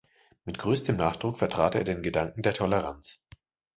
Mit größtem Nachdruck vertrat er den Gedanken der Toleranz.